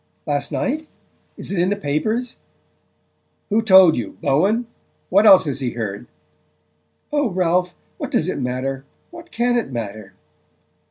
"Last night? Is it in the papers?" "Who told you? Bowen? What else has he heard?" "Oh, Ralph, what does it matter what can it matter?"